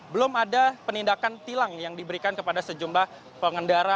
belum ada penindakan tilang yang diberikan kepada sejumlah pengendara